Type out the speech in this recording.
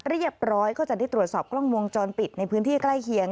ก็จะได้ตรวจสอบกล้องวงจรปิดในพื้นที่ใกล้เคียง